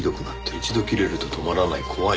「一度キレると止まらない怖い」。